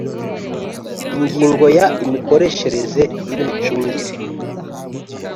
Ingingo ya Imikoreshereze n imicungire